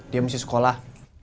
dia mesti sekolah